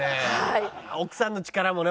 奥さんの力もね